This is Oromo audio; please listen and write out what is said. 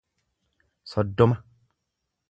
soddoma